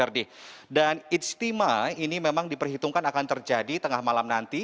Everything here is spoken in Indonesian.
dan istimewa ini memang diperhitungkan akan terjadi tengah malam nanti